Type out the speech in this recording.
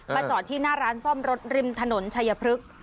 จอดที่หน้าร้านซ่อมรถริมถนนชัยพฤกษ์